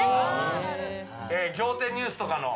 『仰天ニュース』とかの。